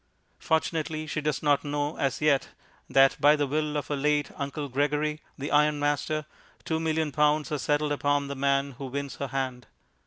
Fortunately she does not know as yet that, by the will of her late Uncle Gregory, the ironmaster, two million pounds are settled upon the man who wins her hand.